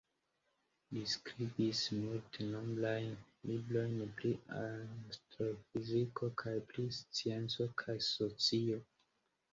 Li skribis multenombrajn librojn pri astrofiziko kaj pri scienco kaj socio.